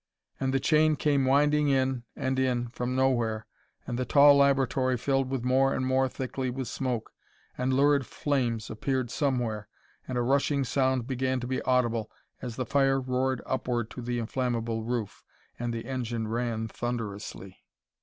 And the chain came winding in and in from nowhere, and the tall laboratory filled more and more thickly with smoke, and lurid flames appeared somewhere, and a rushing sound began to be audible as the fire roared upward to the inflammable roof, and the engine ran thunderously....